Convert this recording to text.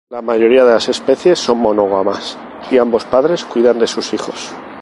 La mayoría de las especies son monógamas y ambos padres cuidan sus hijos.